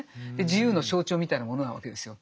自由の象徴みたいなものなわけですよ。